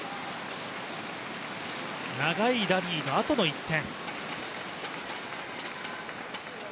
長いラリーのあとの１点。